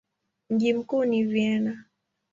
Mji mkuu ni Vienna.